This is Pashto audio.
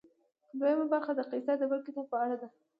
دویمه خبره د قیصر د بل کتاب په اړه ده.